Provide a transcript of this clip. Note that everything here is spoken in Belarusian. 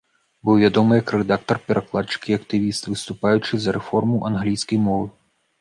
Быў вядомы як рэдактар, перакладчык і актывіст, выступаючы за рэформу англійскай мовы.